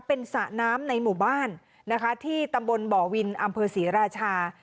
เป็นสระน้ำในหมู่บ้านนะคะที่ตำบลบ่อวินอำเภอศรีราชา